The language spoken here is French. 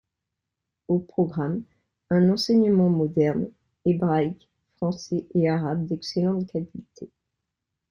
Au programme, un enseignement moderne, hébraïque, français et arabe d’excellente qualité.